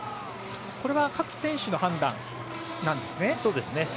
これは各選手の判断ですね。